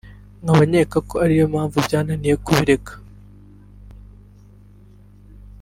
nkaba nkeka ko ariyo mpamvu byananiye kubireka”